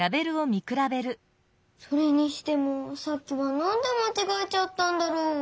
それにしてもさっきはなんでまちがえちゃったんだろう？